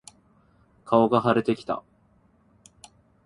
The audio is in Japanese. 顔が腫れてきた。